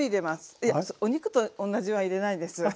いやお肉とおんなじは入れないです。